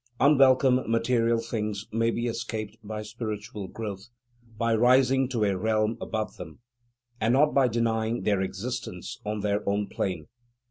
Unwelcome material things may be escaped by spiritual growth, by rising to a realm above them, and not by denying their existence on their own plane.